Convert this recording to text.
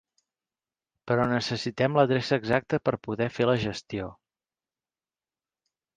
Però necessitem l'adreça exacta per poder fer la gestió.